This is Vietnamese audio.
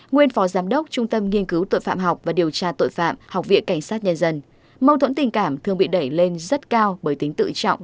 nguyên phó giám đốc trung tâm nghiên cứu tội phạm học và điều tra tội phạm học viện cảnh sát nhân dân